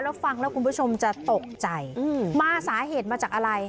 แล้วฟังแล้วคุณผู้ชมจะตกใจมาสาเหตุมาจากอะไร